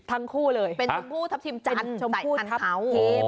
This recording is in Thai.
ทั้งคู่เลยเป็นชมพู่ทัพทิมจันทร์ใส่ทันเขา